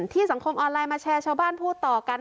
สังคมออนไลน์มาแชร์ชาวบ้านพูดต่อกัน